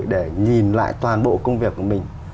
để nhìn lại toàn bộ công việc của mình